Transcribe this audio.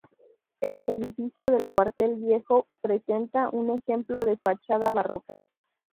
El edificio del Cuartel Viejo presenta un ejemplo de fachada barroca.